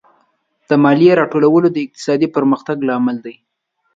د مالیې راټولول د اقتصادي پرمختګ لامل دی.